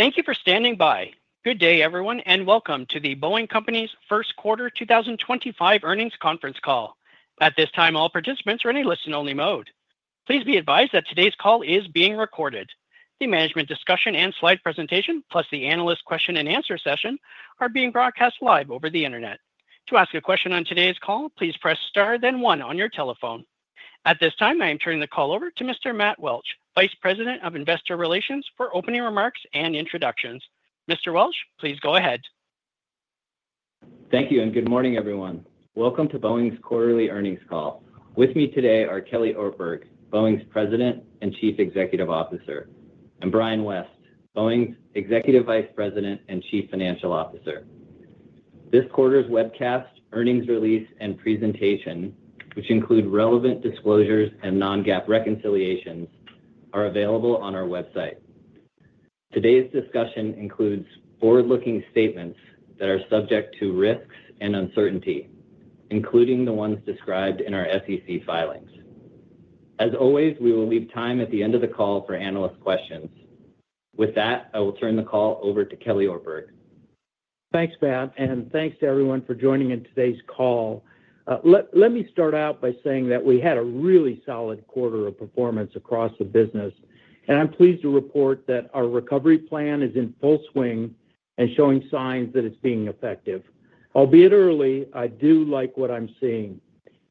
Thank you for standing by. Good day everyone and welcome to the Boeing Company's first quarter 2025 earnings conference call. At this time, all participants are in a listen only mode. Please be advised that today's call is being recorded. The management discussion and slide presentation plus the analyst question and answer session are being broadcast live over the Internet. To ask a question on today's call, please press star then one on your telephone. At this time, I am turning the call over to Mr. Matt Welch, Vice President of Investor Relations for opening remarks and introductions. Mr. Welch, please go ahead. Thank you and good morning everyone. Welcome to Boeing's quarterly earnings call. With me today are Kelly Ortberg, Boeing's President and Chief Executive Officer, and Brian West, Boeing's Executive Vice President and Chief Financial Officer. This quarter's webcast earnings release and presentation, which include relevant disclosures and non-GAAP reconciliations, are available on our website. Today's discussion includes forward-looking statements that are subject to risks and uncertainty, including the ones described in our SEC filings. As always, we will leave time at the end of the call for analyst questions. With that, I will turn the call over to Kelly Ortberg. Thanks, Matt. And thanks to everyone for joining in today's call. Let me start out by saying that we had a really solid quarter of performance across the business. I'm pleased to report that our recovery plan is in full swing and showing signs that it's being effective, albeit early. I do like what I'm seeing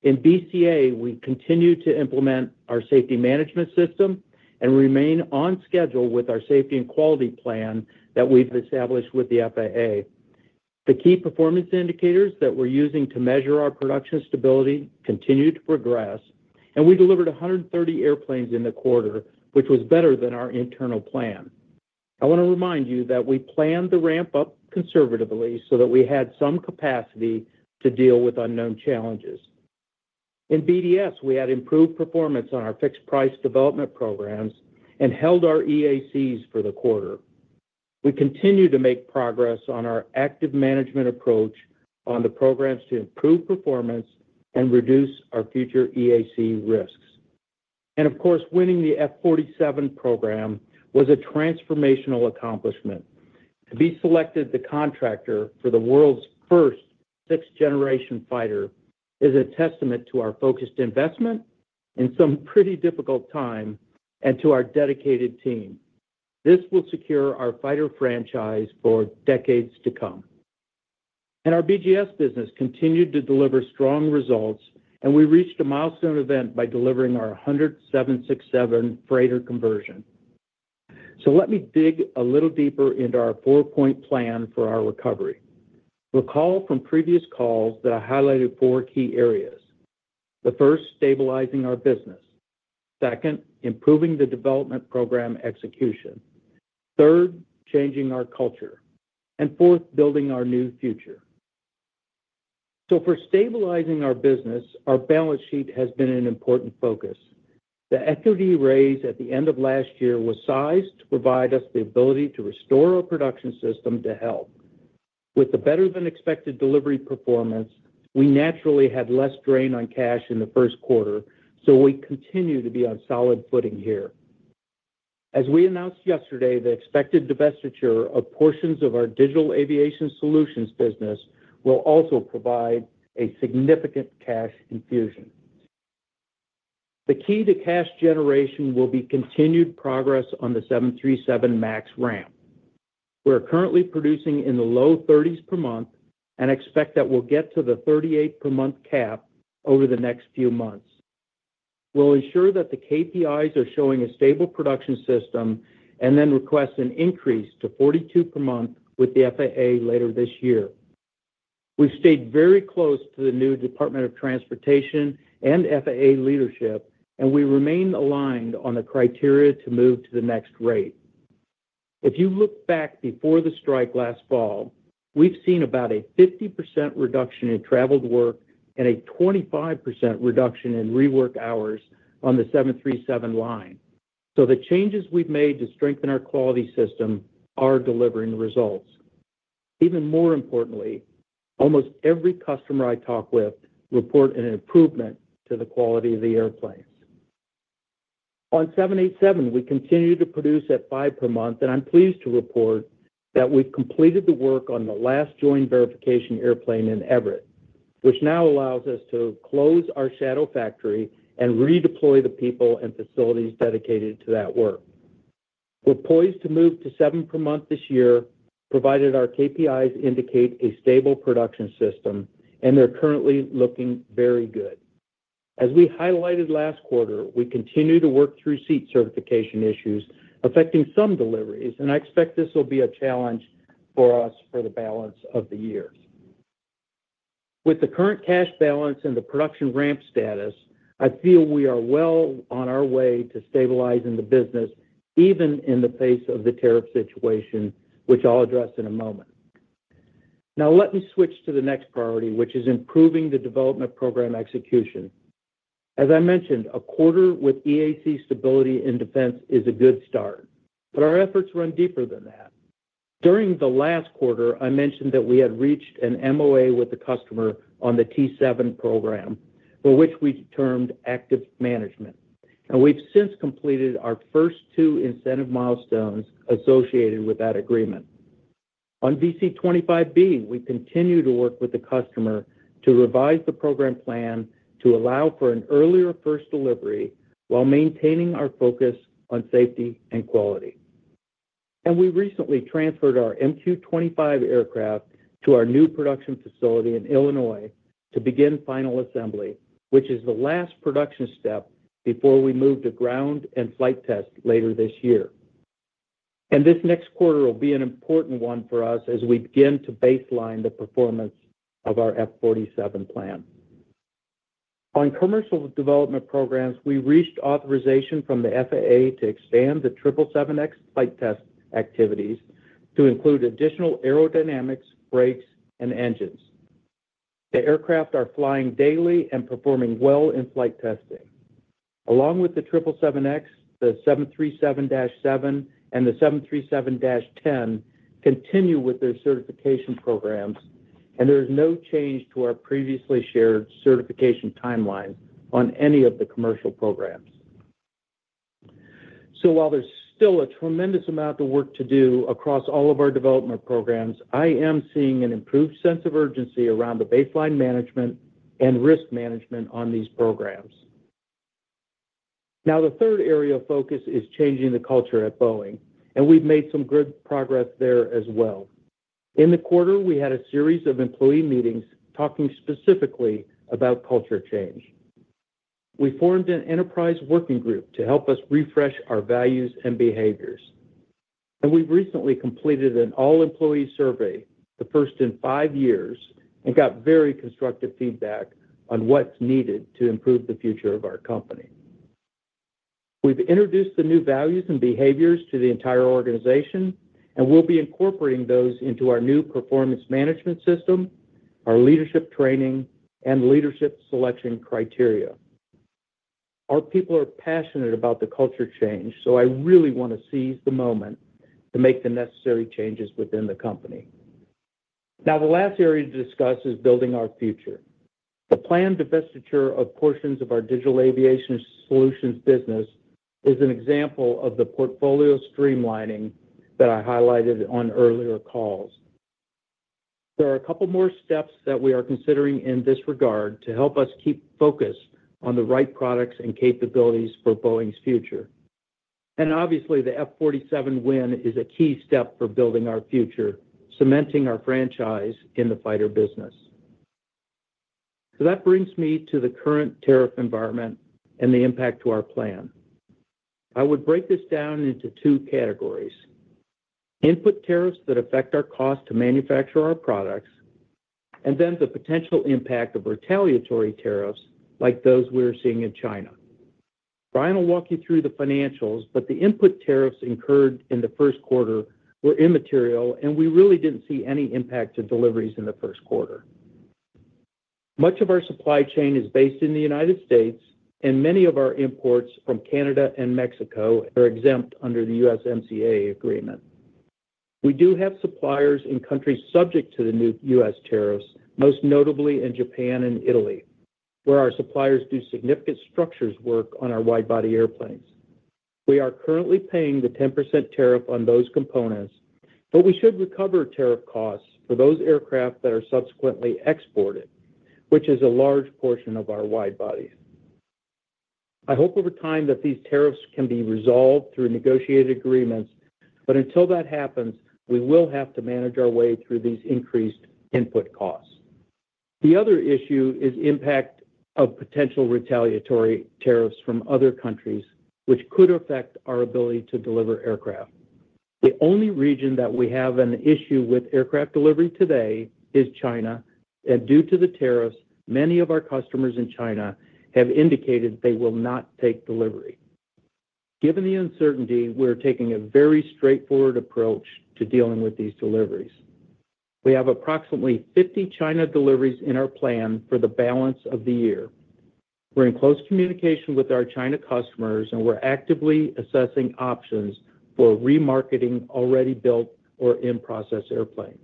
in BCA. We continue to implement our safety management system and remain on schedule with our safety and quality plan that we've established with the FAA. The key performance indicators that we're using to measure our production stability continue to progress. We delivered 130 airplanes in the quarter, which was better than our internal plan. I want to remind you that we planned the ramp up conservatively so that we had some capacity to deal with unknown challenges in BDS. We had improved performance on our fixed price development programs and held our EACs for the quarter. We continue to make progress on our active management approach on the programs to improve performance and reduce our future EAC risks. Of course, winning the F-47 program was a transformational accomplishment. To be selected the contractor for the world's first sixth generation fighter is a testament to our focused investment in some pretty difficult time. To our dedicated team, this will secure our fighter franchise for decades to come. Our BGS business continued to deliver strong results and we reached a milestone event by delivering our 100th 767 Freighter conversion. Let me dig a little deeper into our four point plan for our recovery. Recall from previous calls that I highlighted four key areas. The first, stabilizing our business. Second, improving the development program execution. Third, changing our culture and fourth, building our new future. For stabilizing our business, our balance sheet has been an important focus. The equity raise at the end of last year was sized to provide us the ability to restore our production system to help with the better than expected delivery performance. We naturally had less drain on cash in the first quarter, so we continue to be on solid footing here. As we announced yesterday, the expected divestiture of portions of our Digital Aviation Solutions business will also provide a significant cash infusion. The key to cash generation will be continued progress on the 737 MAX ramp. We are currently producing in the low 30s per month and expect that we'll get to the 38 per month cap over the next few months. We'll ensure that the KPIs are showing a stable production system and then request an increase to 42 per month with the FAA later this year. We stayed very close to the new Department of Transportation and FAA leadership and we remain aligned on the criteria to move to the next rate. If you look back before the strike last fall, we've seen about a 50% reduction in traveled work and a 25% reduction in rework hours on the 737 line. The changes we've made to strengthen our quality system are delivering results. Even more importantly, almost every customer I talk with report an improvement to the quality of the airplane on 787. We continue to produce at five per month and I'm pleased to report that we've completed the work on the last joint verification airplane in Everett, which now allows us to close our shadow factory and redeploy the people and facilities dedicated to that work. We're poised to move to seven per month this year provided our KPIs indicate a stable production system and they're currently looking very good. As we highlighted last quarter, we continue to work through seat certification issues affecting some deliveries and I expect this will be a challenge for us for the balance of the year. With the current cash balance and the production ramp status, I feel we are well on our way to stabilizing the business even in the face of the tariff situation, which I'll address in a moment. Now let me switch to the next priority which is improving the development program execution. As I mentioned, a quarter with EAC stability in defense is a good start, but our efforts run deeper than that. During the last quarter I mentioned that we had reached an MOA with the customer on the T-7 program, for which we termed active management, and we've since completed our first two incentive milestones associated with that agreement on VC-25B. We continue to work with the customer to revise the program plan to allow for an earlier first delivery while maintaining our focus on safety and quality. We recently transferred our MQ-25 aircraft to our new production facility in Illinois to begin final assembly, which is the last production step before we move to ground and flight test later this year. This next quarter will be an important one for us as we begin to baseline the performance of our F-47 plan on commercial development programs. We reached authorization from the FAA to expand the 777X flight test activities to include additional aerodynamics, brakes and engines. The aircraft are flying daily and performing well in flight testing along with the 777X. The 737-7 and the 737-10 continue with their certification programs and there is no change to our previously shared certification timeline on any of the commercial programs. While there's still a tremendous amount of work to do across all of our development programs, I am seeing an improved sense of urgency around the baseline management and risk management on these programs. The third area of focus is changing the culture at Boeing and we've made some good progress there as well. In the quarter, we had a series of employee meetings talking specifically about culture change. We formed an enterprise working group to help us refresh our values and behaviors, and we've recently completed an all employee survey, the first in five years, and got very constructive feedback on what's needed to improve the future of our company. We've introduced the new values and behaviors to the entire organization and we'll be incorporating those into our new performance management system, our leadership training and leadership selection criteria. Our people are passionate about the culture change, so I really want to seize the moment to make the necessary changes within the company. Now the last area to discuss is building our future. The planned divestiture of portions of our digital aviation solutions business is an example of the portfolio streamlining that I highlighted on earlier calls. There are a couple more steps that we are considering in this regard to help us keep focus on the right products and capabilities for Boeing's future. Obviously the F-47 win is a key step for building our future, cementing our franchise in the fighter business. That brings me to the current tariff environment and the impact to our plan. I would break this down into two categories. Input tariffs that affect our cost to manufacture our products and then the potential impact of retaliatory tariffs like those we are seeing in China. Brian will walk you through the financials. The input tariffs incurred in the first quarter were immaterial and we really did not see any impact to deliveries in the first quarter. Much of our supply chain is based in the United States and many of our imports from Canada and Mexico are exempt under the USMCA agreement. We do have suppliers in countries subject to the new U.S. tariffs, most notably in Japan and Italy where our suppliers do significant structures work on our widebody airplanes. We are currently paying the 10% tariff on those components, but we should recover tariff costs for those aircraft that are subsequently exported, which is a large portion of our widebody. I hope over time that these tariffs can be resolved through negotiated agreements. Until that happens, we will have to manage our way through these increased input costs. The other issue is impact of potential retaliatory tariffs from other countries which could affect our ability to deliver aircraft. The only region that we have an issue with aircraft delivery today is China, and due to the tariffs, many of our customers in China have indicated they will not take delivery. Given the uncertainty, we're taking a very straightforward approach to dealing with these deliveries. We have approximately 50 China deliveries in our plan for the balance of the year. We're in close communication with our China customers, and we're actively assessing options for remarketing already built or in process airplanes.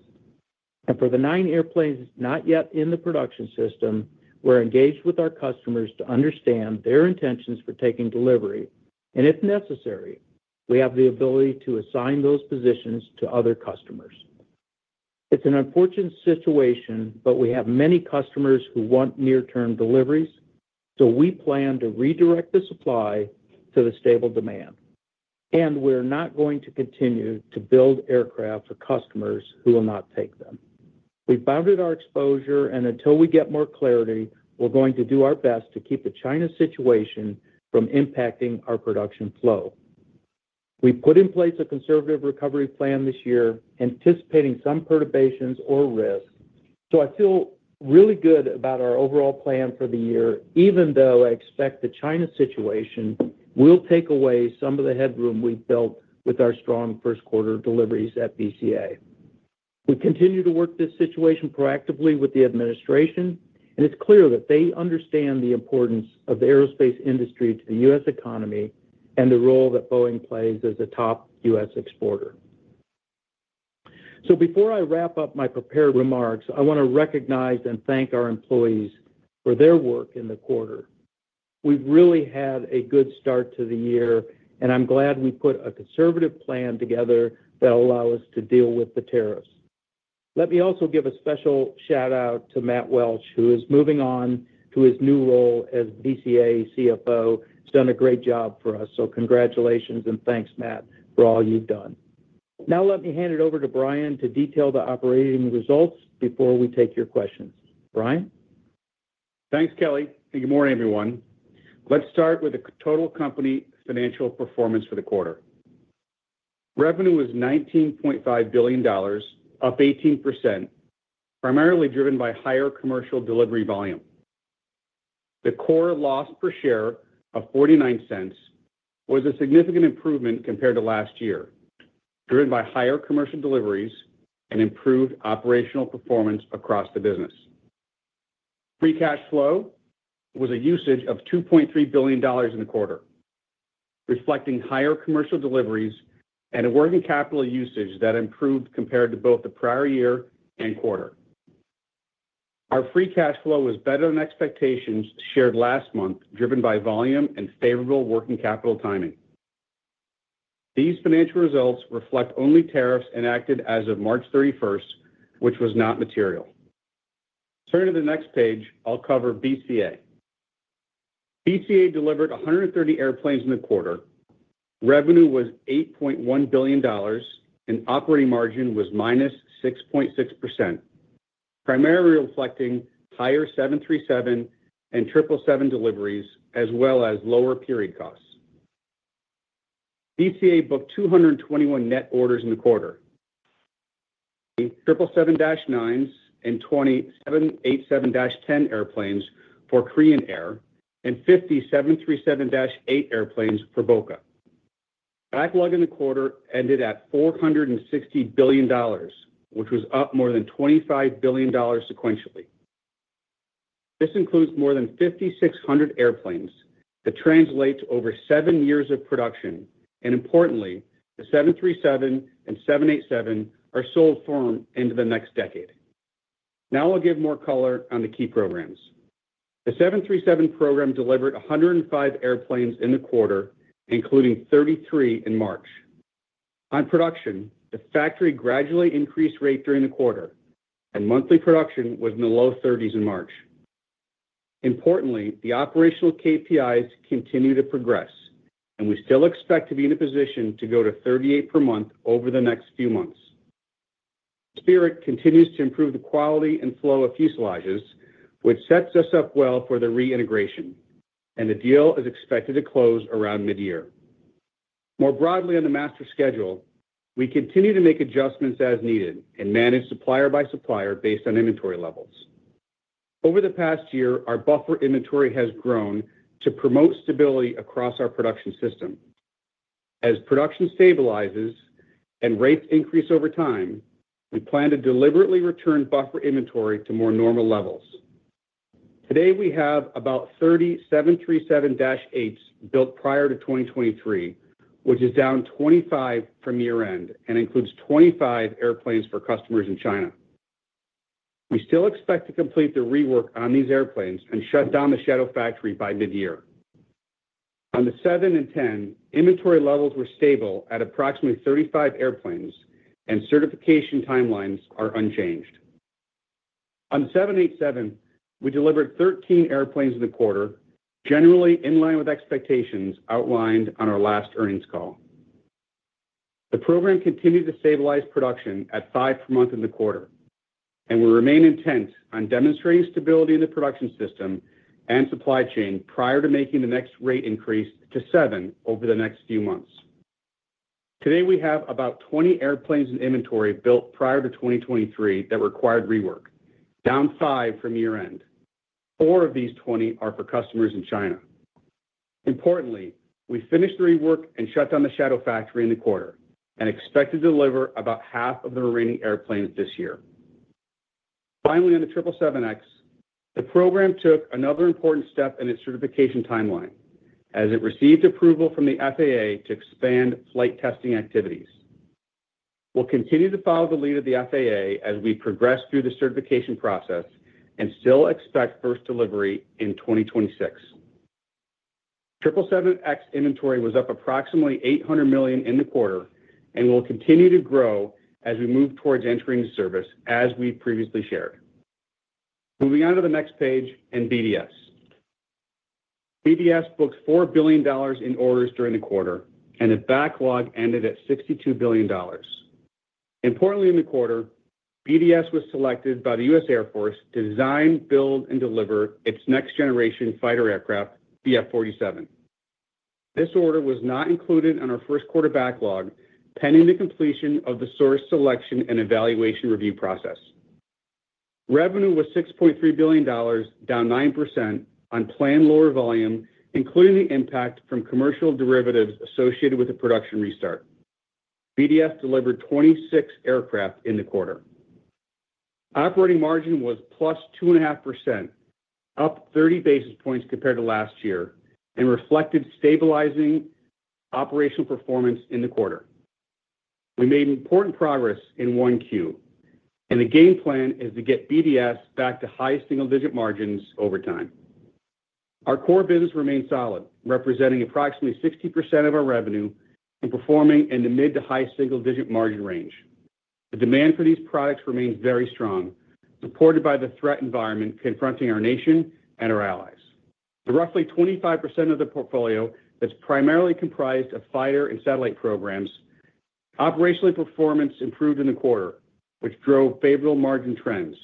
For the nine airplanes not yet in the production system, we're engaged with our customers to understand their intentions for taking delivery, and if necessary, we have the ability to assign those positions to other customers. It's an unfortunate situation, but we have many customers who want near term deliveries, so we plan to redirect the supply to the stable demand. We're not going to continue to build aircraft for customers who will not take them. We bounded our exposure and until we get more clarity, we're going to do our best to keep the China situation from impacting our production flow. We put in place a conservative recovery plan this year, anticipating some perturbations or risk. I feel really good about our overall plan for the year even though I expect the China situation will take away some of the headroom we built with our strong first quarter deliveries at BCA. We continue to work this situation proactively with the administration, and it's clear that they understand the importance of the aerospace industry to the U.S. economy and the role that Boeing plays as a top U.S. exporter. Before I wrap up my prepared remarks, I want to recognize and thank our employees for their work in the quarter. We've really had a good start to the year and I'm glad we put a conservative plan together that allow us to deal with the tariffs. Let me also give a special shout out to Matt Welch, who is moving on to his new role as BCA CFO. Done a great job for us, so congratulations and thanks Matt for all you've done. Now let me hand it over to Brian to detail the operating results before we take your questions. Brian? Thanks Kelly, and good morning everyone. Let's start with the total company financial performance for the quarter. Revenue was $19.5 billion, up 18%, primarily driven by higher commercial delivery volume. The core loss per share of $0.49 was a significant improvement compared to last year, driven by higher commercial deliveries and improved operational performance across the business. Free cash flow was a usage of $2.3 billion in the quarter, reflecting higher commercial deliveries and a working capital usage that improved compared to both the prior year and quarter. Our free cash flow was better than expectations shared last month, driven by volume and favorable working capital timing. These financial results reflect only tariffs enacted as of March 31st, which was not material. Turning to the next page, I'll cover BCA. BCA delivered 130 airplanes in the quarter. Revenue was $8.1 billion and operating margin was minus 6.6%, primarily reflecting higher 737 and 777 deliveries as well as lower period costs. BCA booked 221 net orders in the quarter, 777-9s and 20 787-10 airplanes for Korean Air and 50 737-8 airplanes for BOCA. Backlog in the quarter ended at $460 billion which was up more than $25 billion. Sequentially, this includes more than 5,600 airplanes that translate to over seven years of production and importantly the 737 and 787 are sold form into the next decade. Now I'll give more color on the key programs. The 737 program delivered 105 airplanes in the quarter, including 33 in March. On production. The factory gradually increased rate during the quarter and monthly production was in the low 30s in March. Importantly, the operational KPIs continue to progress and we still expect to be in a position to go to 38 per month over the next few months. Spirit continues to improve the quality and flow of fuselages, which sets us up well for the reintegration and the deal is expected to close around mid year. More broadly on the master schedule, we continue to make adjustments as needed and manage supplier by supplier based on inventory levels. Over the past year, our buffer inventory has grown to promote stability across our production system. As production stabilizes and rates increase over time, we plan to deliberately return buffer inventory to more normal levels. Today we have about 30 737-8s built prior to 2023, which is down 25 from year end and includes 25 airplanes for customers in China. We still expect to complete the rework on these airplanes and shut down the shadow factory by mid year. On the 7 and 10, inventory levels were stable at approximately 35 airplanes and certification timelines are unchanged. On 787, we delivered 13 airplanes in the quarter, generally in line with expectations outlined on our last earnings call. The program continued to stabilize production at five per month in the quarter and we remain intent on demonstrating stability in the production system and supply chain prior to making the next rate increase to seven over the next few months. Today we have about 20 airplanes in inventory built prior to 2023 that required rework, down five from year end. Four of these 20 are for customers in China. Importantly, we finished the rework and shut down the shadow factory in the quarter and expect to deliver about half of the remaining airplanes this year. Finally, on the 777X, the program took another important step in its certification timeline as it received approval from the FAA to expand flight testing activities. We will continue to follow the lead of the FAA as we progress through the certification process and still expect first delivery in 2026. 777X inventory was up approximately $800 million in the quarter and will continue to grow as we move towards entering service. As we previously shared, moving on to the next page and BDS, BDS booked $4 billion in orders during the quarter and the backlog ended at $62 billion. Importantly, in the quarter, BDS was selected by the U.S. Air Force to design, build and deliver its next generation fighter aircraft, F-47. This order was not included in our first quarter backlog pending the completion of the source selection and evaluation review process. Revenue was $6.3 billion, down 9% on planned lower volume including the impact from commercial derivatives associated with the production restart. BDS delivered 26 aircraft in the quarter. Operating margin was +2.5%, up 30 basis points compared to last year and reflected stabilizing operational performance in the quarter. We made important progress in 1Q and the game plan is to get BDS back to high single digit margins over time. Our core business remains solid representing approximately 60% of our revenue and performing in the mid to high single digit margin range. The demand for these products remains very strong supported by the threat environment confronting our nation and our allies. Roughly 25% of the portfolio that's primarily comprised of fire and satellite programs, operational performance improved in the quarter, which drove favorable margin trends.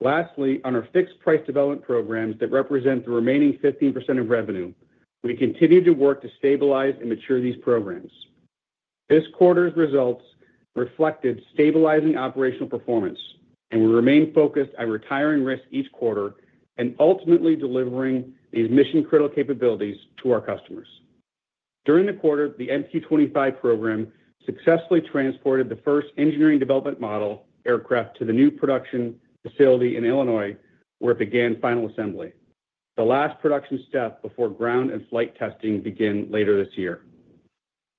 Lastly, on our fixed price development programs that represent the remaining 15% of revenue, we continue to work to stabilize and mature these programs. This quarter's results reflected stabilizing operational performance, and we remain focused on retiring risk each quarter and ultimately delivering these mission critical capabilities to our customers. During the quarter, the MQ-25 program successfully transported the first engineering development model aircraft to the new production facility in Illinois, where it began final assembly, the last production step before ground and flight testing begin later this year.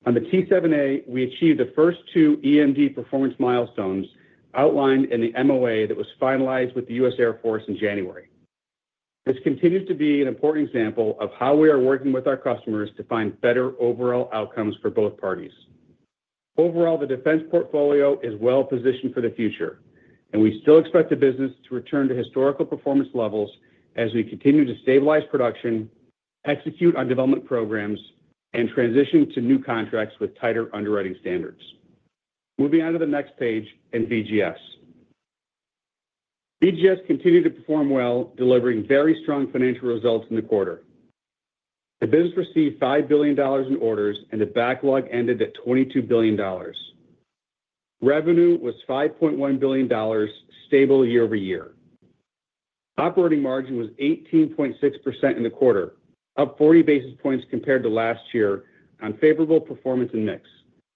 On the T-7, we achieved the first two EMD performance milestones outlined in the MOA that was finalized with the U.S. Air Force in January. This continues to be an important example of how we are working with our customers to find better overall outcomes for both parties. Overall, the defense portfolio is well positioned for the future and we still expect the business to return to historical performance levels as we continue to stabilize production, execute on development programs and transition to new contracts with tighter underwriting standards. Moving on to the next page and BGS. BGS continued to perform well, delivering very strong financial results. In the quarter, the business received $5 billion in orders and the backlog ended at $22 billion. Revenue was $5.1 billion, stable year-over-year. Operating margin was 18.6% in the quarter, up 40 basis points compared to last year on favorable performance and mix,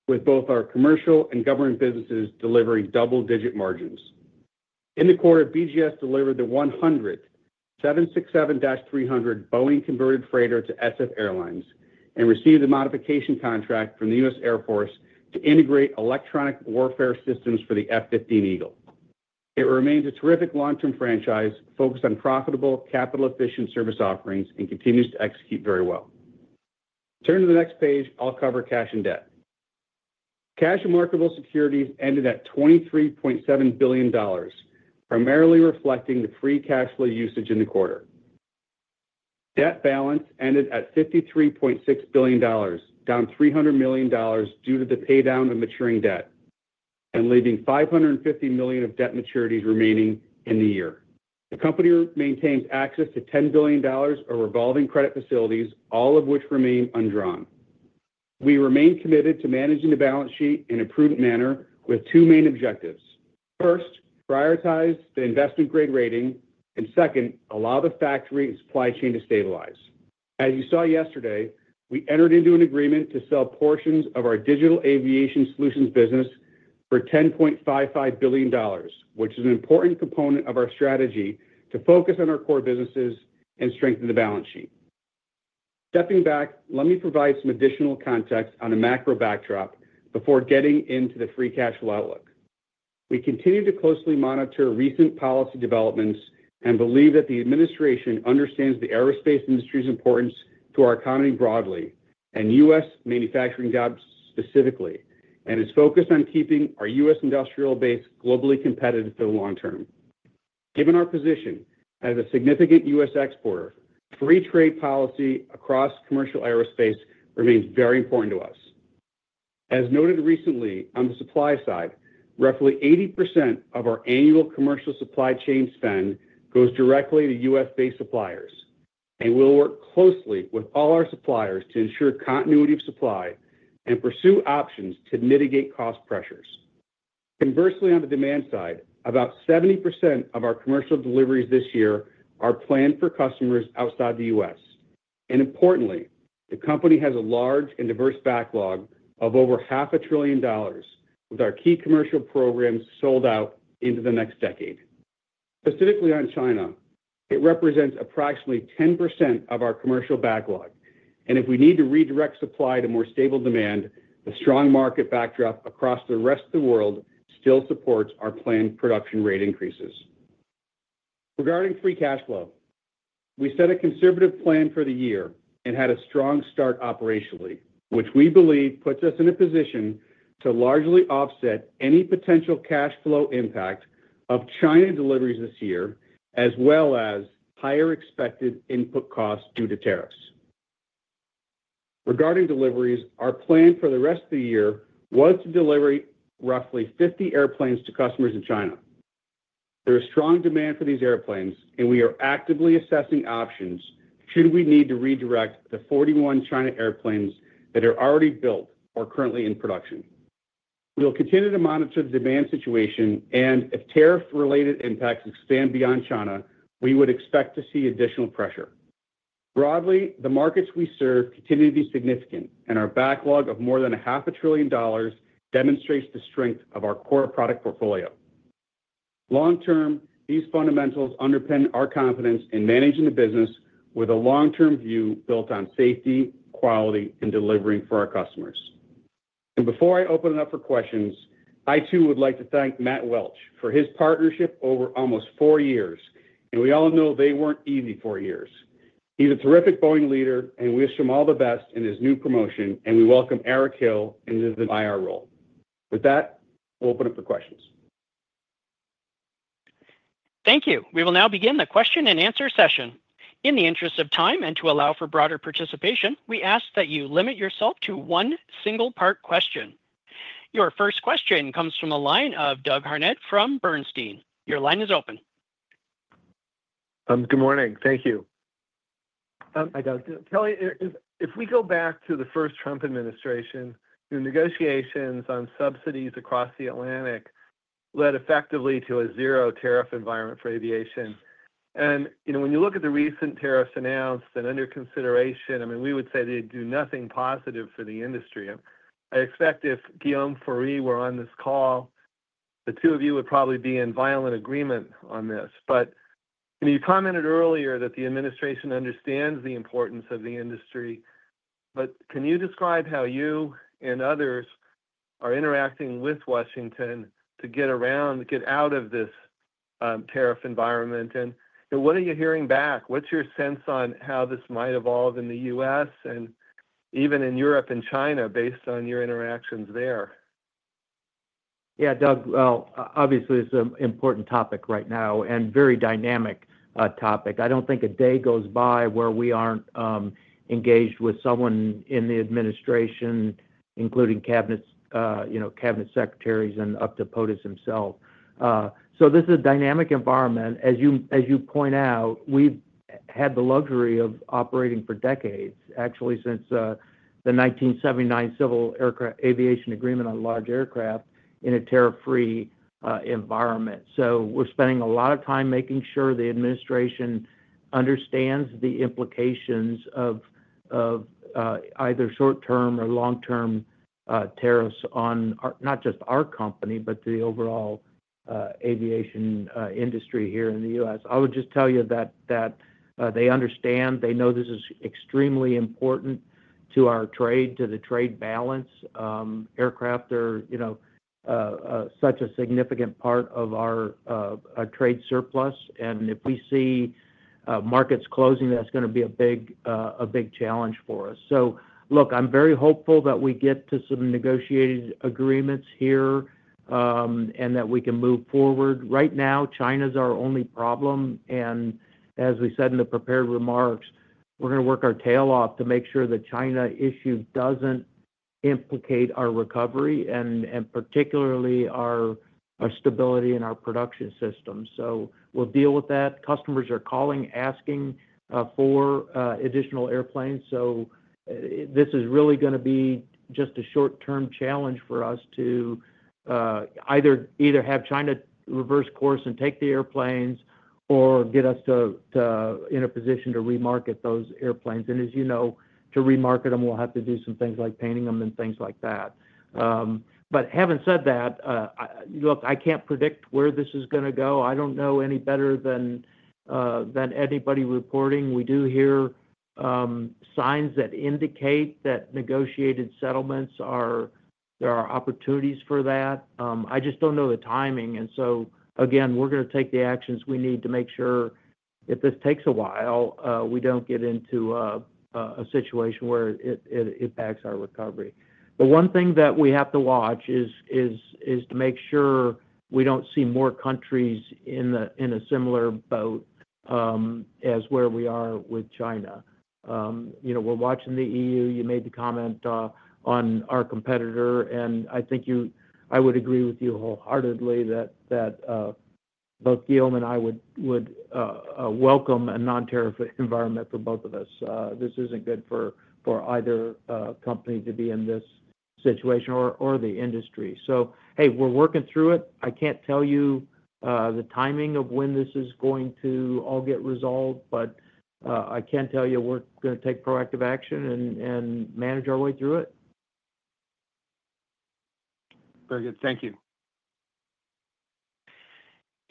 with both our commercial and government businesses delivering double digit margins in the quarter. BGS delivered the 100th 767-300 Boeing Converted Freighter to SF Airlines and received a modification contract from the U.S. Air Force to integrate electronic warfare systems for the F-15 Eagle. It remains a terrific long-term franchise focused on profitable, capital-efficient service offerings and continues to execute very well. Turn to the next page. I'll cover cash and debt. Cash and marketable securities ended at $23.7 billion, primarily reflecting the free cash flow usage in the quarter. Debt balance ended at $53.6 billion, down $300 million due to the pay down of maturing debt and leaving $550 million of debt maturities remaining in the year. The company maintains access to $10 billion of revolving credit facilities, all of which remain undrawn. We remain committed to managing the balance sheet in a prudent manner with two main objectives. First, prioritize the investment grade rating and second, allow the factory and supply chain to stabilize. As you saw yesterday, we entered into an agreement to sell portions of our digital aviation solutions business for $10.55 billion, which is an important component of our strategy to focus on our core businesses and strengthen the balance sheet. Stepping back, let me provide some additional context on a macro backdrop before getting into the free cash flow outlook. We continue to closely monitor recent policy developments and believe that the Administration understands the aerospace industry's importance to our economy broadly and U.S. manufacturing jobs specifically, and is focused on keeping our U.S. industrial base globally competitive for the long term. Given our position as a significant U.S. exporter, free trade policy across commercial aerospace remains very important to us. As noted recently, on the supply side, roughly 80% of our annual commercial supply chain spend goes directly to U.S.-based suppliers and we'll work closely with all our suppliers to ensure continuity of supply and pursue options to mitigate cost pressures. Conversely, on the demand side, about 70% of our commercial deliveries this year are planned for customers outside the U.S. and importantly, the company has a large and diverse backlog of over $0.5 trillion dollars with our key commercial programs sold out into the next decade. Specifically on China, it represents approximately 10% of our commercial backlog and if we need to redirect supply to more stable demand, the strong market backdrop across the rest of the world still supports our planned production rate increases. Regarding free cash flow, we set a conservative plan for the year and had a strong start operationally, which we believe puts us in a position to largely offset any potential cash flow impact of China deliveries this year, as well as higher expected input costs due to tariffs regarding deliveries. Our plan for the rest of the year was to deliver roughly 50 airplanes to customers in China. There is strong demand for these airplanes and we are actively assessing options should we need to redirect the 41 China airplanes that are already built or currently in production. We will continue to monitor the demand situation and if tariff related impacts expand beyond China, we would expect to see additional pressure. Broadly, the markets we serve continue to be significant and our backlog of more than half a trillion dollars demonstrates the strength of our core product portfolio long term. These fundamentals underpin our confidence in managing the business with a long term view built on safety, quality and delivering for our customers. Before I open it up for questions, I too would like to thank Matt Welch for his partnership over almost four years and we all know they were not easy four years. He is a terrific Boeing leader and wish him all the best in his new promotion. We welcome Eric Hill into the IR role. With that, we will open up for questions. Thank you. We will now begin the question and answer session. In the interest of time and to allow for broader participation, we ask that you limit yourself to one single part question. Your first question comes from the line of Doug Harned from Bernstein. Your line is open. Good morning. Thank you. Kelly, if we go back to the first Trump administration, the negotiations on subsidies across. The Atlantic led effectively to a zero tariff environment for aviation. You know, when you look at the recent tariffs announced and under consideration. I mean, we would say they do. Nothing positive for the industry. I expect if Guillaume Faury were on. This call, the two of you would. Probably be in violent agreement on this. You commented earlier that the administration. Understands the importance of the industry. Can you describe how you and others are interacting with Washington to get around, get out of this tariff environment? What are you hearing back? What's your sense on how this might evolve in the U.S. and even in Europe and China based on your interactions there? Yeah, Doug. Obviously it's an important topic right now and very dynamic topic. I don't think a day goes by where we aren't engaged with someone in the Administration, including cabinet secretaries and up to POTUS himself. This is a dynamic environment, as you point out. We've had the luxury of operating for decades, actually since the 1979 Civil Aviation Agreement on large aircraft in a tariff free environment. We're spending a lot of time making sure the administration understands the implications of either short term or long term tariffs on not just our company, but the overall aviation industry here in the U.S. I would just tell you that they understand, they know this is extremely important to our trade, to the trade balance. Aircraft are, you know, such a significant part of our trade surplus. If we see markets closing, that's going to be a big, a big challenge for us. Look, I'm very hopeful that we get to some negotiated agreements here and that we can move forward. Right now, China is our only problem. As we said in the prepared remarks, we're going to work our tail off to make sure the China issue doesn't implicate our recovery and particularly our stability in our production system. We will deal with that. Customers are calling, asking for additional airplanes. This is really going to be just a short term challenge for us to either have China reverse course and take the airplanes or get us in a position to remarket those airplanes and, as you know, to remarket them, we'll have to do some things like painting them and things like that. Having said that, look, I can't predict where this is going to go. I don't know any better than anybody reporting. We do hear signs that indicate that negotiated settlements are, there are opportunities for that. I just don't know the timing. Again, we're going to take the actions we need to make sure if this takes a while, we don't get into a situation where it impacts our recovery. The one thing that we have to watch is to make sure we don't see more countries in a similar boat as where we are with China. You know, we're watching the EU. You made the comment on our competitor and I think you, I would agree with you wholeheartedly that both Guillaume and I would welcome a non-tariff environment for both of us. This isn't good for either company to be in this situation or the industry. Hey, we're working through it. I can't tell you the timing of when this is going to all get resolved, but I can tell you we're going to take proactive action and manage our way through it. Very good, thank you.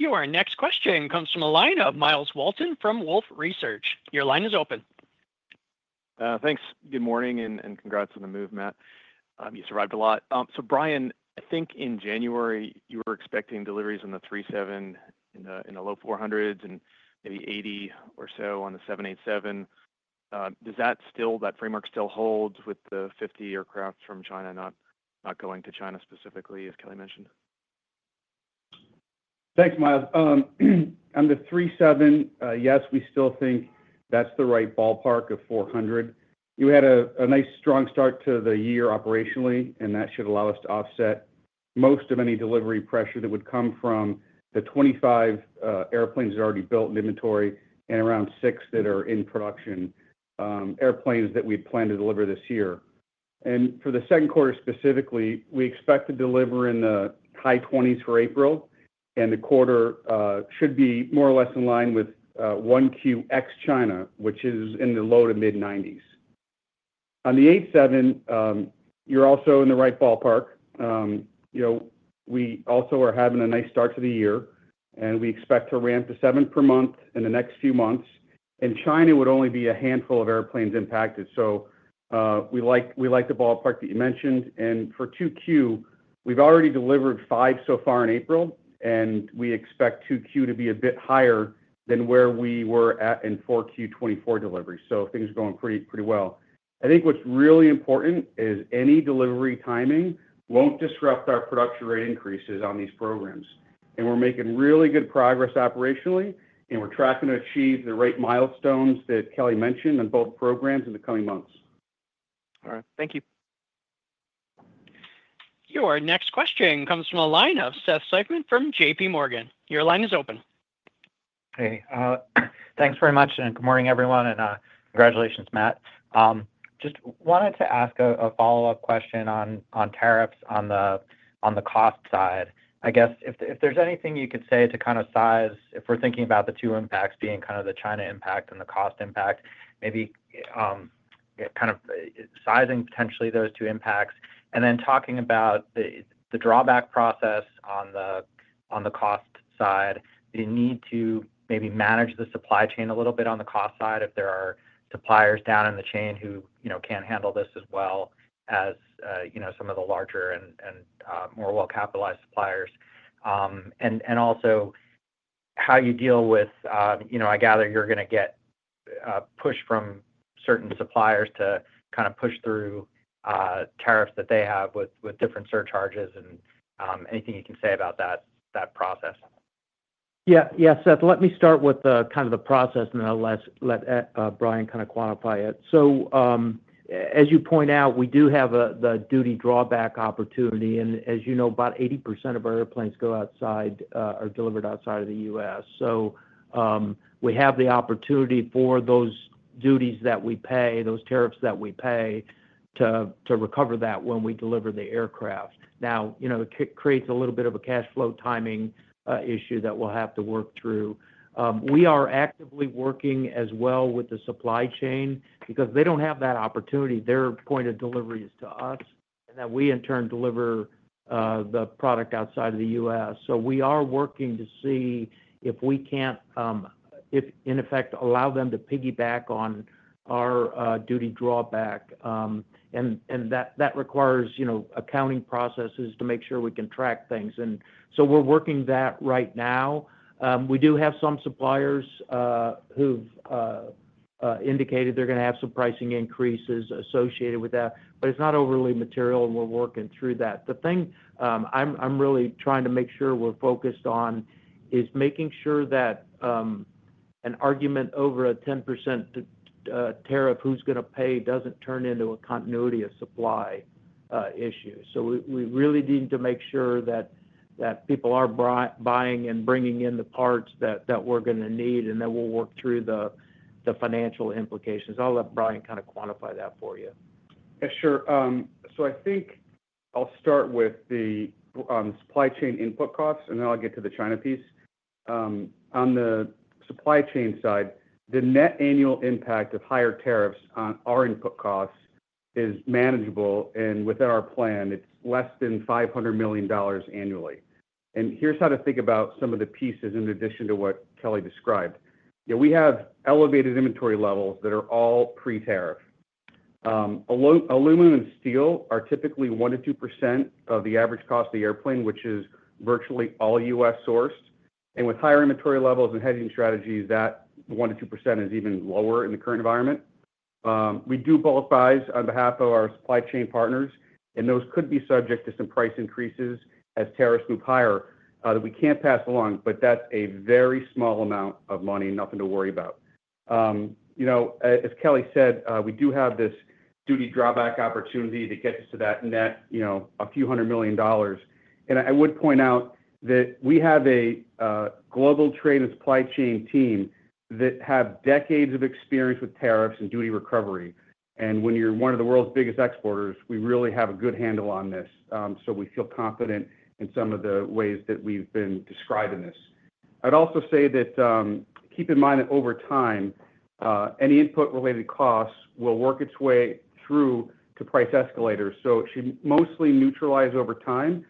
Your next question comes from the line of Myles Walton from Wolfe Research. Your line is open. Thanks. Good morning and congrats on the move, Matt. You survived a lot. Brian, I think in January you were expecting deliveries on the 737 in the low 400s and maybe 80 or so on the 787. Does that framework still hold with the 50 aircraft from China not going to China specifically, as Kelly mentioned. Thanks, Myles. Under 3.7. Yes. We still think that's the right ballpark of 400. You had a nice strong start to the year operationally and that should allow us to offset most of any delivery pressure that would come from the 25 airplanes that are already built in inventory and around six that are in production airplanes that we plan to deliver this year. For the second quarter specifically, we expect to deliver in the high 20s for April and the quarter should be more or less in line with 1QX China, which is in the low to mid-90s on the 787. You're also in the right ballpark. You know, we also are having a nice start to the year and we expect to ramp to seven per month in the next few months. China would only be a handful of airplanes impacted. We like the ballpark that you mentioned. For 2Q, we've already delivered five so far in April and we expect 2Q to be a bit higher than where we were at in 4Q 2024 delivery. Things are going pretty well. I think what's really important is any delivery timing won't disrupt our production rate increases on these programs and we're making really good progress operationally and we're tracking to achieve the right milestones that Kelly mentioned on both programs in the coming months. All right, thank you. Your next question comes from the line of Seth Seifman from JPMorgan. Your line is open. Hey, thanks very much and good morning everyone and congratulations Matt. Just wanted to ask a follow up question on tariffs on the, on the cost side. I guess if there's anything you could say to kind of size, if we're thinking about the two impacts being kind of the China impact and the cost impact, maybe kind of sizing potentially those two impacts and then talking about the drawback process on the, on the cost side, the need to maybe manage the supply chain a little bit on the cost side. If there are suppliers down in the chain who, you know, can't handle this as well as, you know, some of the larger and more well capitalized suppliers. How you deal with, you know, I gather you're going to get push from certain suppliers to kind of push through tariffs that they have with different surcharges and anything you can say about that process? Yeah, yeah, Seth, let me start with kind of the process and I'll let Brian kind of quantify it. As you point out, we do have the duty drawback opportunity and as you know, about 80% of our airplanes are delivered outside of the U.S. We have the opportunity for those duties that we pay, those tariffs that we pay to recover that when we deliver the aircraft. Now, you know, it creates a little bit of a cash flow timing issue that we'll have to work through. We are actively working as well with the supply chain because they don't have that opportunity. Their point of delivery is to us and that we in turn deliver the product outside of the U.S. We are working to see if we can't in effect allow them to piggyback on our duty drawback and that requires, you know, accounting processes to make sure we can track things. We are working that right now. We do have some suppliers who've indicated they're going to have some pricing increases associated with that, but it's not overly material and we're working through that. The thing that I'm really trying to make sure we're focused on is making sure that an argument over a 10% tariff, who's going to pay, doesn't turn into a continuity of supply issue. We really need to make sure that people are buying and bringing in the parts that we're going to need and then we'll work through the financial implications. I'll let Brian kind of quantify that for you. Sure. I think I'll start with the supply chain input costs and then I'll get to the China piece. On the supply chain side, the net annual impact of higher tariffs on our input costs is manageable and within our plan, it's less than $500 million annually. Here's how to think about some of the pieces. In addition to what Kelly described, we have elevated inventory levels that are all pre-tariff. Aluminum and steel are typically 1%-2% of the average cost of the airplane, which is virtually all U.S. sourced. With higher inventory levels and hedging strategies, that 1%-2% is even lower. In the current environment, we do both buys on behalf of our supply chain partners and those could be subject to some price increases as tariffs move higher that we can't pass along. That is a very small amount of money, nothing to worry about. You know, as Kelly said, we do have this duty drawback opportunity that gets us to that net, you know, a few hundred million dollars. I would point out that we have a global trade and supply chain team that have decades of experience with tariffs and duty recovery. When you're one of the world's biggest exporters, we really have a good handle on this. We feel confident in some of the ways that we've been describing this. I'd also say that keep in mind that over time any input related costs will work its way through to price escalators. It should mostly neutralize over time.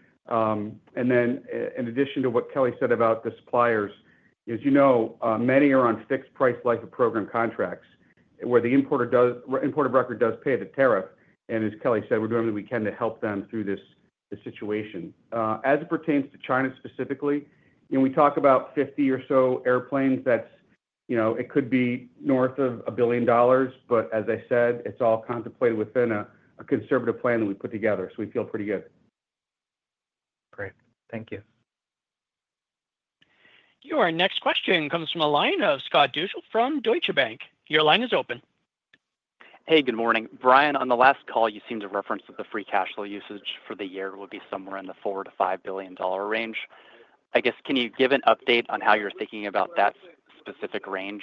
In addition to what Kelly said about the suppliers, as you know, many are on fixed price life of program contracts where the import of record does pay the tariff. As Kelly said, we're doing what we can to help them through this. The situation as it pertains to China specifically and we talk about 50 or so airplanes, that's, you know, it could be north of $1 billion. As I said, it's all contemplated within a conservative plan that we put together. We feel pretty good. Great, thank you. Your next question comes from the line of Scott Deuschle from Deutsche Bank. Your line is open. Hey, good morning, Brian. On the last call you seemed to reference that the free cash flow usage for the year would be somewhere in the $4 billion-$5 billion range. I guess. Can you give an update on how you're thinking about that specific range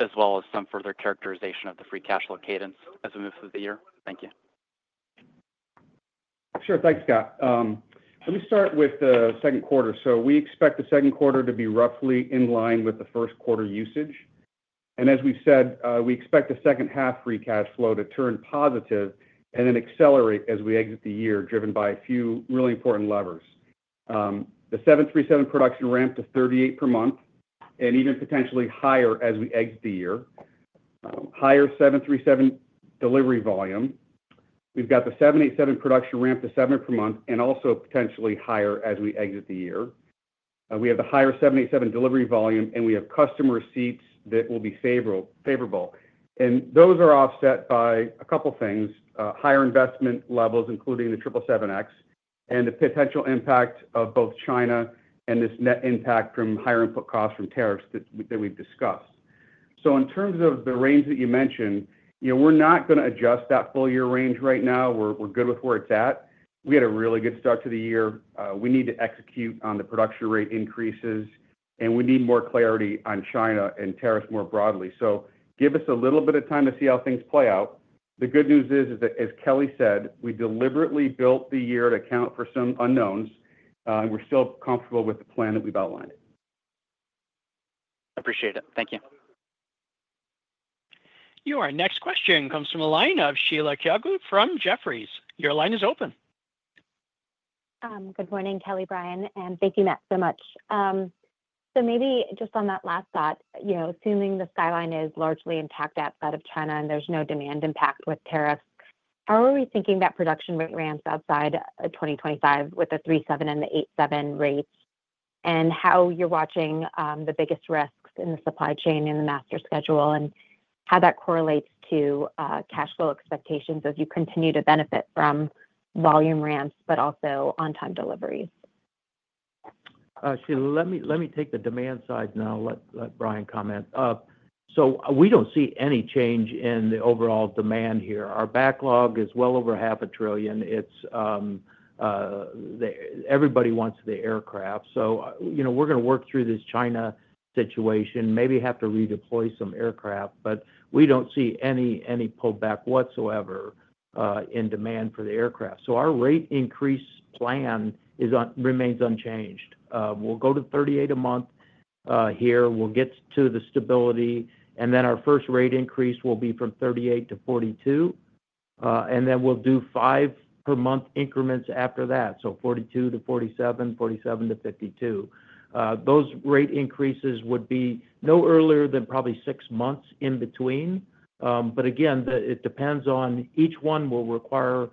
as well as some further characterization of the free cash flow cadence as we move through the year? Thank you. Sure. Thanks, Scott. Let me start with the second quarter. We expect the second quarter to be roughly in line with the first quarter usage and as we said, we expect the second half free cash flow to turn positive and then accelerate as we exit the year driven by a few really important levers. The 737 production ramp to 38 per month and even potentially higher as we exit the year. Higher 737 delivery volume, we've got the 787 production ramp to seven per month and also potentially higher as we exit the year. We have the higher 787 delivery volume and we have customer seats that will be favorable. Those are offset by a couple things. Higher investment levels, including the 777X and the potential impact of both China and this net impact from higher input costs from tariffs that we've discussed. In terms of the range that you mentioned, you know, we're not going to adjust that full year range right now we're good with where it's at. We had a really good start to the year. We need to execute on the production rate increases and we need more clarity on China and tariffs more broadly. Give us a little bit of time to see how things play out. The good news is that as Kelly said, we deliberately built the year to account for some unknowns and we're still comfortable with the plan that we've outlined. Appreciate it. Thank you. Your next question comes from the line of Sheila Kahyaoglu from Jefferies. Your line is open. Good morning, Kelly, Brian. Thank you, Matt, so much. Maybe just on that last thought, you know, assuming the skyline is largely intact outside of China and there's no demand impact with tariffs, how are we thinking that production rate ramps outside 2025 with the 3.7% and the 8.7% rates and how you're watching the biggest risks in the supply chain in the master schedule and how that correlates to cash flow expectations as you continue to benefit from volume ramps but also on time deliveries. Let me take the demand side now. Let Brian comment. We don't see any change in the overall demand here. Our backlog is well over half a trillion. It's everybody wants the aircraft. You know, we're going to work through this China situation, maybe have to redeploy some aircraft, but we don't see any pullback whatsoever in demand for the aircraft. Our rate increase plan remains unchanged. We'll go to 38 a month here, we'll get to the stability and then our first rate increase will be from 38 to 42 and then we'll do five per month increments after that. So 42 to 47, 47 to 52. Those rate increases would be no earlier than probably six months in between. Again, it depends on each one will require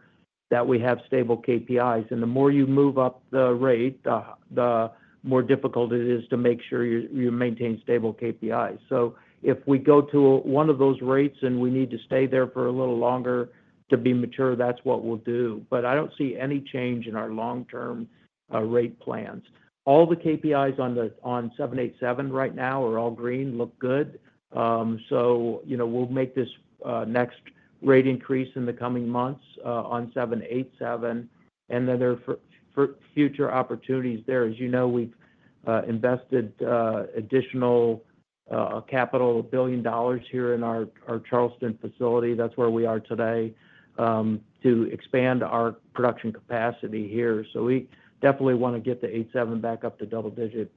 that we have stable KPIs. The more you move up the rate, the more difficult it is to make sure you maintain stable KPIs. If we go to one of those rates and we need to stay there for a little longer to be mature, that's what we'll do. I don't see any change in our long term rate plans. All the KPIs on the 787 right now are all green, look good. You know, we'll make this next rate increase in the coming months on 787. There are future opportunities there. As you know, we've invested additional capital, $1 billion here in our Charleston facility. That's where we are today, to expand our production capacity here. We definitely want to get the 787 back up to double digit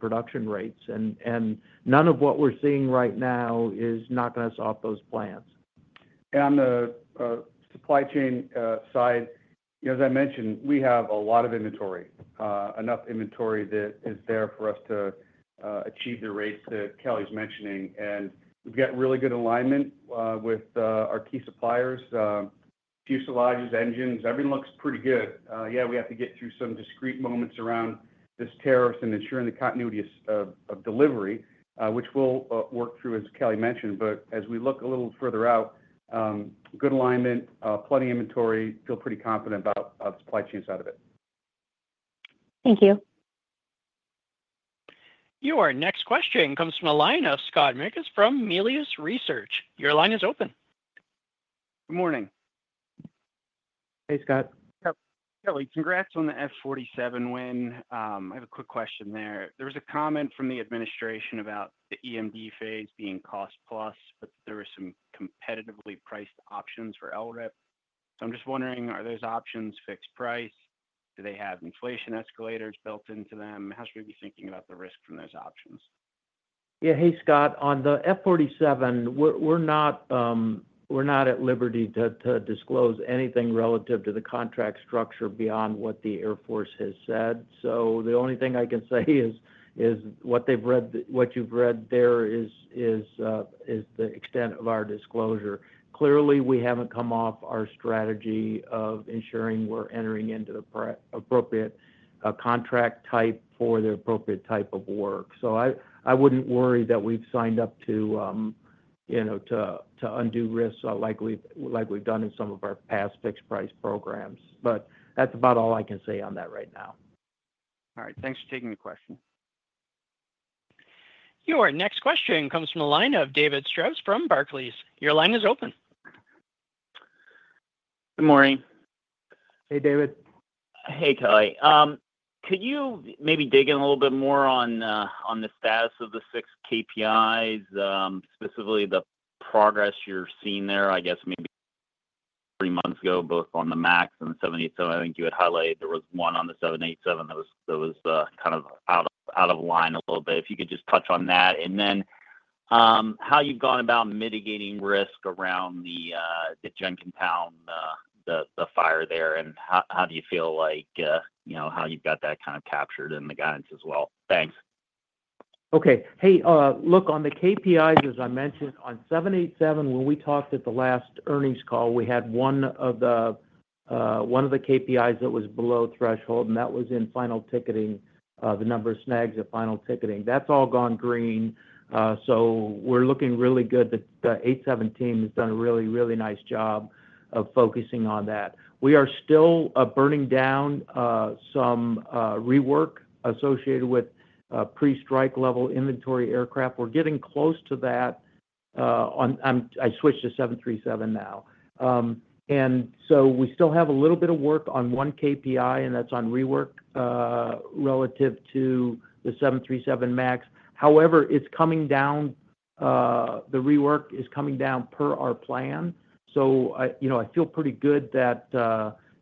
production rates. None of what we're seeing right now is knocking us off those plans. On the supply chain side, as I mentioned, we have a lot of inventory, enough inventory that is there for us to achieve the rates that Kelly's mentioning. We have really good alignment with our key suppliers, fuselages, engines, everything looks pretty good. We have to get through some discrete moments around this, tariffs and ensuring the continuity of delivery, which we'll work through as Kelly mentioned. As we look a little further out, good alignment, plenty of inventory. Feel pretty confident about supply chains out of it. Thank you. Your next question comes from the line of Scott Mikus from Melius Research. Your line is open. Good morning. Hey, Scott. Kelly, congrats on the F-47 win. I have a quick question there. There was a comment from the administration about the EMD phase being cost plus, but there were some competitively priced options for LRIP. I am just wondering, are those options fixed price, do they have inflation escalators built into them? How should we be thinking about the risk from those options? Yeah, hey Scott, on the F-47. We're not at liberty to disclose anything relative to the contract structure beyond what the Air Force has said. The only thing I can say is what you've read there is the extent of our disclosure. Clearly we haven't come off our strategy of ensuring we're entering into the appropriate contract type for the appropriate type of work. I wouldn't worry that we've signed up to undue risks like we've done in some of our past fixed price programs. That's about all I can say on that right now. All right, thanks for taking the question. Your next question comes from the line of David Strauss from Barclays. Your line is open. Good morning. Hey, David. Hey, Kelly. Could you maybe dig in a little bit more on the status of the six KPIs, specifically the progress you're seeing there? I guess maybe three months ago, both on the MAX and 787, I think you had highlighted there was one on the 787 that was kind of out of line a little bit. If you could just touch on that. And then how you've gone about mitigating risk around the Jenkintown, the fire there, and how do you feel like, you know, how you've got that kind of captured in the guidance as well. Thanks. Okay. Hey, look, on the KPIs, as I mentioned on 787, when we talked at the last earnings call, we had one of the, one of the KPIs that was below threshold and that was in final ticketing. The number of snags at final ticketing, that's all gone green. So we're looking really good. That 87 team has done a really, really nice job of focusing on that. We are still burning down some rework associated with pre strike level inventory aircraft. We're getting close to that. I switched to 737 now. We still have a little bit of work on one KPI and that's on rework relative to the 737 MAX. However, it's coming down, the rework is coming down per our plan. You know, I feel pretty good that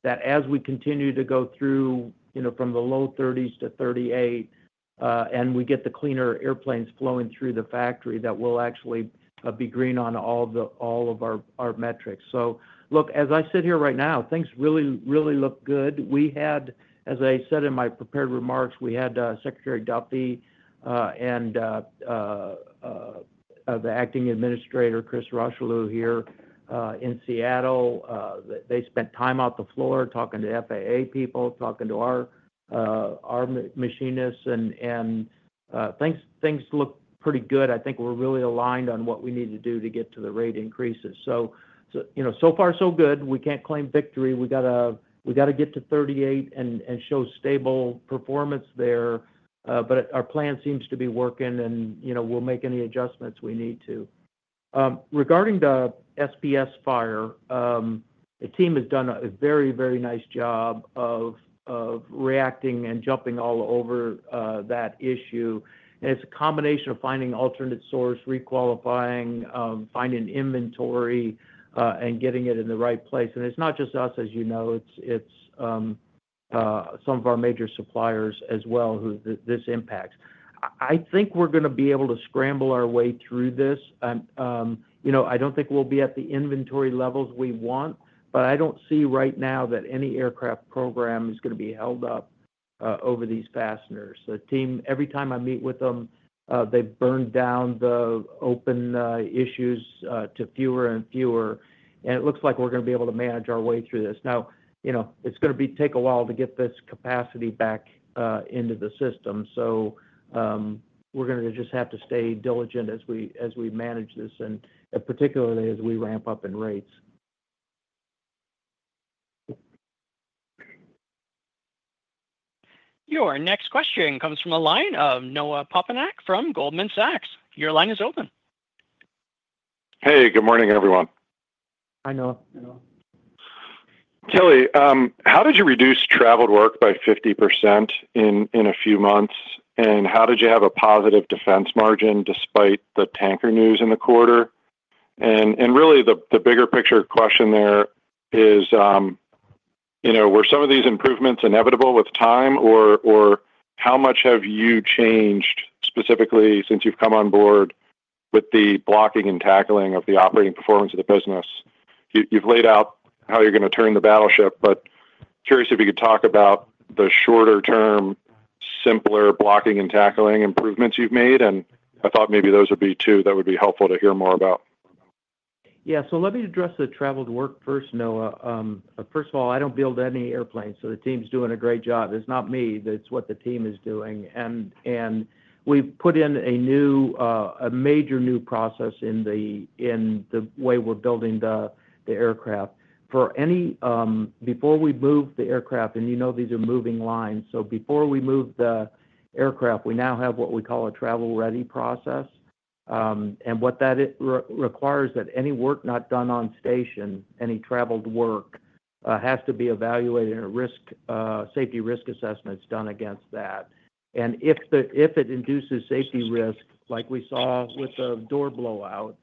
as we continue to go through, you know, from the low 30s to 38 and we get the cleaner airplanes flowing through the factory, that will actually be green on all the, all of our metrics. Look, as I sit here right now, things really, really look good. We had, as I said in my prepared remarks, we had Secretary Duffy and the Acting Administrator Chris Rocheleau here in Seattle. They spent time off the floor talking to FAA people, talking to our machinists, and things look pretty good. I think we're really aligned on what we need to do to get to the rate increases. You know, so far so good. We can't claim victory. We got to get to 38 and show stable performance there. Our plan seems to be working and, you know, we'll make any adjustments we need to. Regarding the SPS fire, the team has done a very, very nice job of reacting and jumping all over that issue. It's a combination of finding alternate source, requalifying, finding inventory and getting it in the right place. It's not just us as you know, it's some of our major suppliers as well who this impacts. I think we're going to be able to scramble our way through this. You know, I don't think we'll be at the inventory levels we want, but I don't see right now that any aircraft program is going to be held up over these fasteners. The team, every time I meet with them, they burned down the open issues to fewer and fewer. It looks like we're going to be able to manage our way through this. Now, you know, it's going to take a while to get this capacity back into the system. We are going to just have to stay diligent as we manage this and particularly as we ramp up in rates. Your next question comes from the line of Noah Poponak from Goldman Sachs. Your line is open. Hey, good morning, everyone. Hi, Noah. Kelly, how did you reduce traveled work by 50% in a few months? How did you have a positive defense margin despite the tanker news in the quarter? Really, the bigger picture question there is, you know, were some of these improvements inevitable with time, or how much have you changed specifically since you've come on board with the blocking and tackling of the operating performance of the business? You've laid out how you're going to turn the battleship. Curious if you could talk about the shorter term, simpler blocking and tackling improvements you've made. I thought maybe those would be two that would be helpful to hear more about. Yeah, let me address the traveled work first. No, first of all, I don't build any airplanes, so the team's doing a great job. It's not me. That's what the team is doing. We've put in a new, a major new process in the way we're building the aircraft for any. Before we move the aircraft, and you know, these are moving lines. Before we move the aircraft we now have what we call a Travel Ready process. What that requires is that any work not done on station, any traveled work, has to be evaluated. Risk, safety risk assessments done against that. If it induces safety risk like we saw with the door blowout,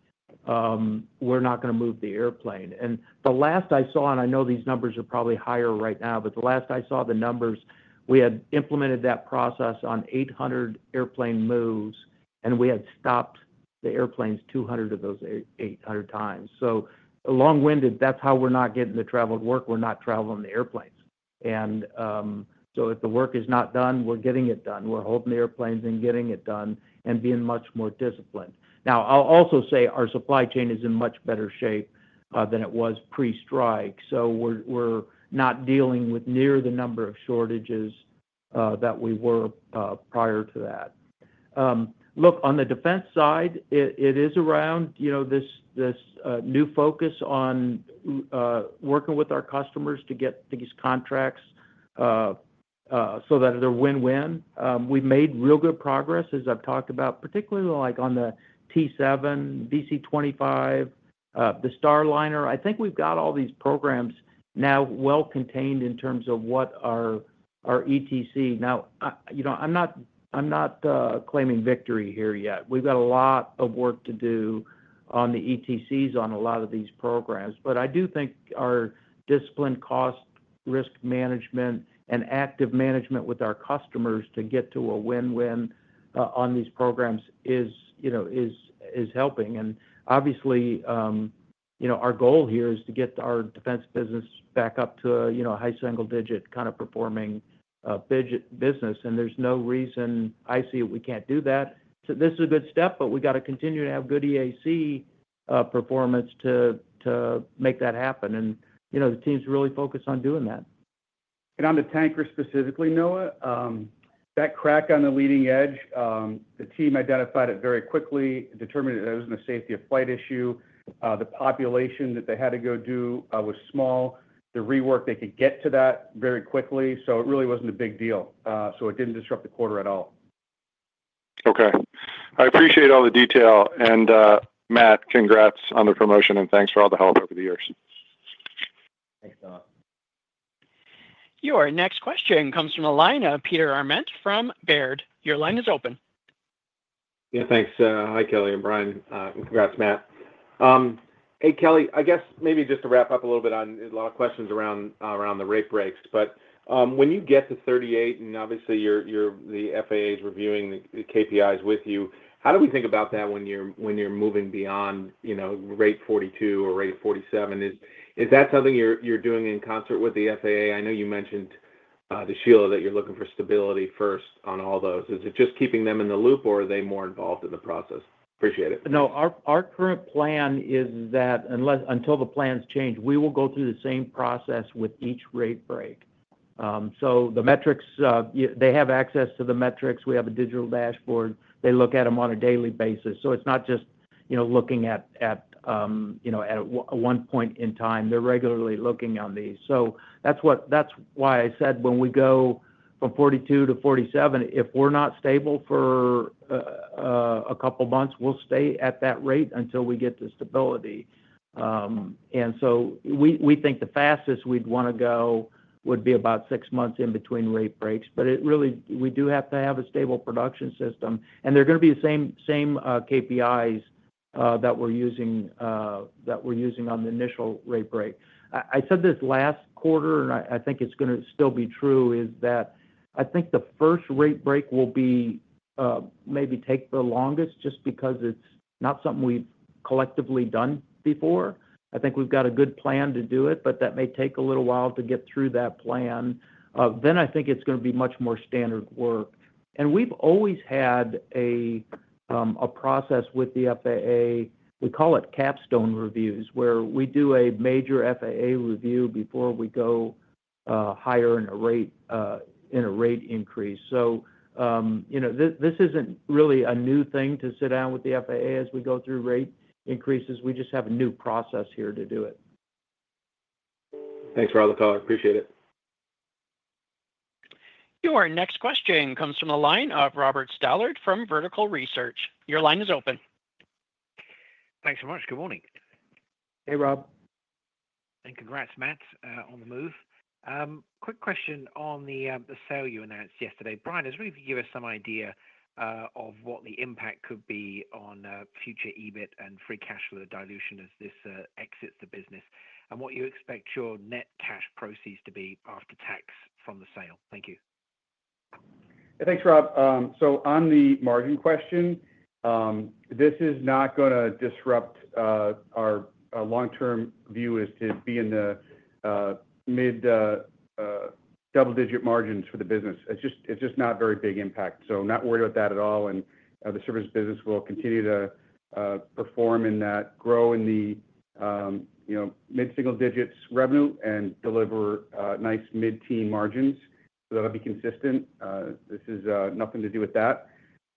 we're not going to move the airplane. The last I saw, and I know these numbers are probably higher right now, but the last I saw the numbers we had implemented that process on 800 airplane moves and we had stopped the airplanes 200 of those 800 times. Long winded. That's how we're not getting the traveled work, we're not traveling the airplanes. If the work is not done, we're getting it done. We're holding the airplanes and getting it done and being much more disciplined. I will also say our supply chain is in much better shape than it was pre-strike. We're not dealing with near the number of shortages that we were prior to that. Look, on the defense side it is around, you know, this new focus on working with our customers to get these contracts so that they're win-win. We've made real good progress as I've talked about, particularly like on the T-7, VC-25B, the Starliner. I think we've got all these programs now well contained in terms of what our ETC. Now I'm not claiming victory here yet, we've got a lot of work to do on the ETC on a lot of these programs. I do think our disciplined cost risk management and active management with our customers to get to a win win on these programs is, you know, is helping. Obviously, you know, our goal here is to get our defense business back up to, you know, high single digit kind of performing business. There's no reason I see we can't do that. This is a good step. We got to continue to have good EAC performance to make that happen. You know, the team's really focused on doing that. On the tanker specifically, Noah, that crack on the leading edge, the team identified it very quickly, determined it was not a safety of flight issue. The population that they had to go do was small. The rework, they could get to that very quickly. It really was not a big deal. It did not disrupt the quarter at all. Okay, I appreciate all the detail and Matt, congrats on the promotion and thanks for all the help over the years. Your next question comes from the line of Peter Arment from Baird, your line is open. Yeah, thanks. Hi, Kelly and Brian. Congrats, Matt. Hey, Kelly. I guess maybe just to wrap up. A little bit on a lot. Questions around the rate breaks, but when you get to 38, and obviously the FAA is reviewing the KPIs with you, how do we think about that? When you're moving beyond, you know, rate. 42 or rate 47, is that something you're doing in concert with the FAA? I know you mentioned to Sheila that you're looking for stability first on all those. Is it just keeping them in the loop or are they more involved in the process? Appreciate it. No, our current plan is that until the plans change, we will go through the same process with each rate break. The metrics, they have access to the metrics. We have a digital dashboard. They look at them on a daily basis. It's not just, you know, looking at, you know, at one point in time, they're regularly looking on these. That's what, that's why I said when we go from 42 to 47, if we're not stable for a couple months, we'll stay at that rate until we get to stability. We think the fastest we'd want to go would be about six months in between rate breaks. It really, we do have to have a stable production system. They're going to be the same, same KPIs that we're using, that we're using on the initial rate break. I said this last quarter, and I think it's going to still be true, is that I think the first rate break will maybe take the longest just because it's not something we've collectively done before. I think we've got a good plan to do it, but that may take a little while to get through that plan. I think it's going to be much more standard work. We've always had a process with the FAA. We call it Capstone reviews, where we do a major FAA review before we go higher in a rate increase. You know, this isn't really a new thing to sit down with the FAA as we go through rate increases. We just have a new process here to do it. Thanks for the call. I appreciate it. Your next question comes from the line of Robert Stallard from Vertical Research. Your line is open. Thanks so much. Good morning. Hey, Rob. Congrats, Matt, on the move. Quick question on the sale you announced yesterday. Brian, is really giving us some idea of what the impact could be on future EBIT and free cash flow dilution as this exits the business and what you expect your net cash proceeds to be after tax from the sale. Thank you. Thanks, Rob. On the margin question, this is not going to disrupt our long term view as to be in the mid double digit margins for the business. It's just not very big impact. Not worried about that at all. The service business will continue to perform and grow in the, you know, mid single digits revenue and deliver nice mid teen margins that'll be consistent. This is nothing to do with that.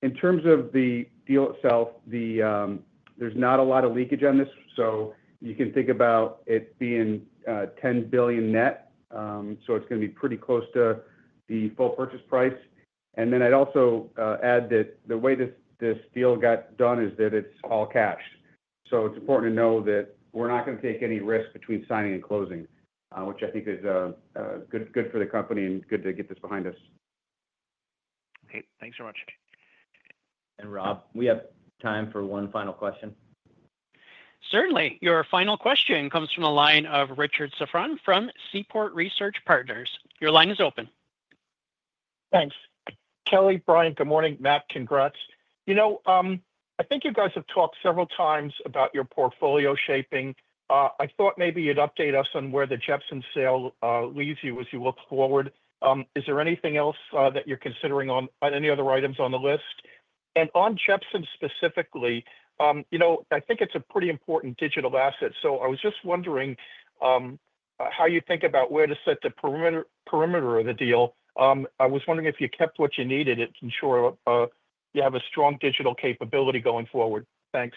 In terms of the deal itself, there's not a lot of leakage on this. You can think about it being $10 billion net. It's going to be pretty close to the full purchase price. I'd also add that the way this deal got done is that it's all cash. It's important to know that we're not going to take any risk between signing and closing, which I think is good for the company and good to get this behind us. Okay, thanks very much. Rob, we have time for one final question. Certainly, your final question comes from the line of Richard Safran from Seaport Research Partners. Your line is open. Thanks, Kelly, Brian, good morning, Matt, congrats. You know, I think you guys have. Talked several times about your portfolio shaping. I thought maybe you'd update us on where the Jeppesen sale leads you as you look forward. Is there anything else that you're considering? On any other items on the list. On Jeppesen specifically? You know, I think it's a pretty important digital asset. I was just wondering how you. Think about where to set the perimeter. Perimeter of the deal. I was wondering if you kept what. You needed to ensure you have a. Strong digital capability going forward. Thanks.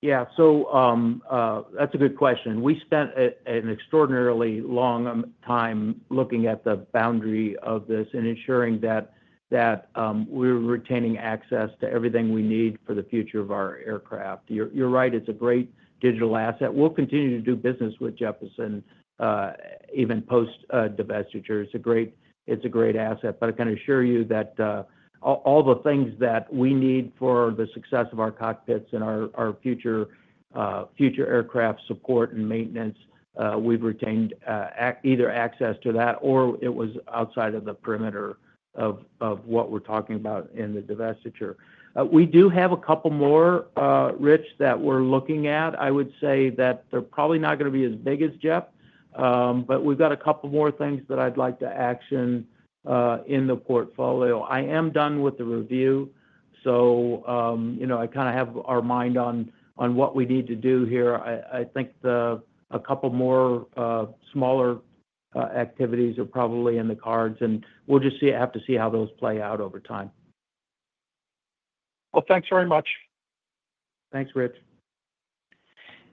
Yeah, that's a good question. We spent an extraordinarily long time looking at the boundary of this and ensuring that we're retaining access to everything we need for the future of our aircraft. You're right. It's a great digital asset. We'll continue to do business with Jeppesen even post divestitures. It's a great asset. I can assure you that all the things that we need for the success of our cockpits and our future aircraft support and maintenance, we've retained either access to that or it was outside of the perimeter of what we're talking about in the divestiture. We do have a couple more Rich that we're looking at. I would say that they're probably not going to be as big as Jepp. We've got a couple more things that I'd like to action in the portfolio. I am done with the review. You know, I kind of have our mind on what we need to do here. I think a couple more smaller activities are probably in the cards and we'll just have to see how those play out over time. Thanks very much. Thanks, Rich.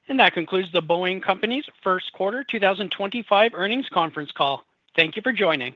That concludes the Boeing Company's first quarter 2025 earnings conference call. Thank you for joining.